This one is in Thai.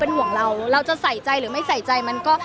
ห่วงเราเราจะใส่ใจหรือไม่ใส่ใจมันก็